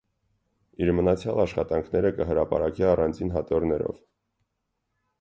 Իր մնացեալ աշխատանքները կը հրատարակէ առանձին հատորներով։